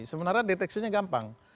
sebenarnya deteksinya gampang